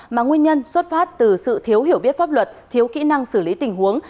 mà nguyên nhân xuất phát từ sự thiếu hiểu biết pháp luật thiếu kỹ năng xử lý tình huống